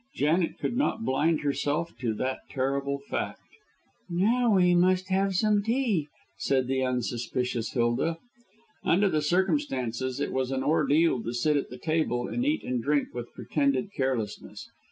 Janet could not blind herself to that terrible fact. "Now we must have some tea," said the unsuspicious Hilda. Under the circumstances it was an ordeal to sit at the table and eat and drink with pretended carelessness.